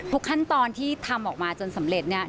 ขั้นตอนที่ทำออกมาจนสำเร็จเนี่ย